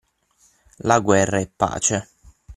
La guerra è pace.